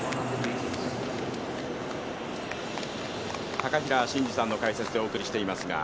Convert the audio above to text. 高平慎士さんの解説でお送りしています。